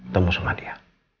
temu sama dia